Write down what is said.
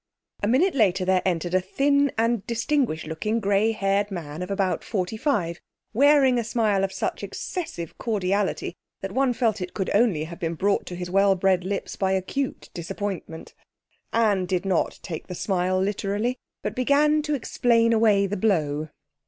A minute later there entered a thin and distinguished looking, grey haired man of about forty five, wearing a smile of such excessive cordiality that one felt it could only have been brought to his well bred lips by acute disappointment. Anne did not take the smile literally, but began to explain away the blow.